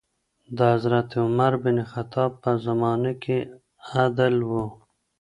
د حضرت عمر بن خطاب په زمانې کي عدل و.